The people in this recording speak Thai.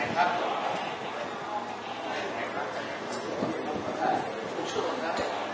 ขอบคุณครับ